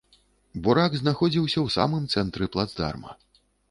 Бурак знаходзіўся ў самым цэнтры плацдарма.